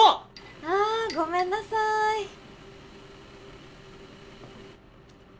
あごめんなさい。